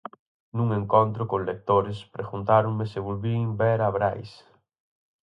Nun encontro con lectores, preguntáronme se volvín ver a Brais.